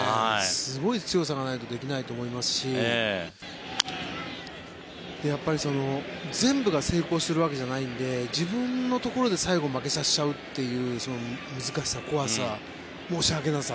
すごい強さがないとできないと思いますし全部が成功するわけじゃないので自分のところで最後、負けさせちゃうというその難しさ、怖さ、申し訳なさ。